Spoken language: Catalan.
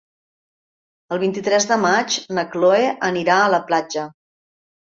El vint-i-tres de maig na Cloè anirà a la platja.